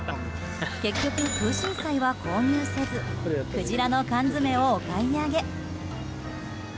結局、クウシンサイは購入せずクジラの缶詰をお買い上げ。